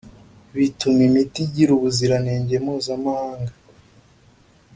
bituma imiti igira ubuziranenge mpuzamahanga